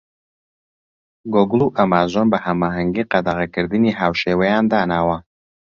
گۆگڵ و ئەمازۆن بە هەماهەنگی قەدەغەکردنی هاوشێوەیان داناوە.